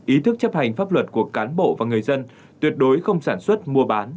ý thức chấp hành pháp luật của cán bộ và người dân tuyệt đối không sản xuất mua bán